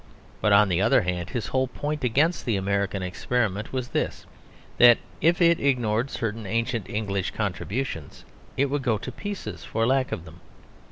But on the other hand, his whole point against the American experiment was this that if it ignored certain ancient English contributions it would go to pieces for lack of them.